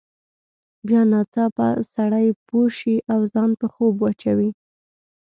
بیا ناڅاپه سړی پوه شي او ځان په خوب واچوي.